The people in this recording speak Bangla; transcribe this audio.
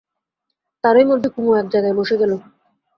তারই মধ্যে কুমু এক জায়গায় বসে গেল।